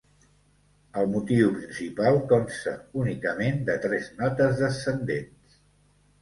El motiu principal consta únicament de tres notes descendents.